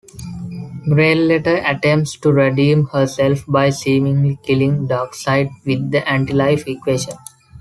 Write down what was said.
Grail later attempts to redeem herself by seemingly killing Darkseid with the anti-life equation.